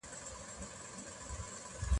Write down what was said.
دا پېښه موږ ته راښيي چې ریښتینی ښکاري څوک وي.